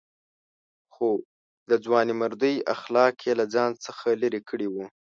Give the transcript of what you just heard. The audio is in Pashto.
خو د ځوانمردۍ اخلاق یې له ځان څخه لرې کړي وو.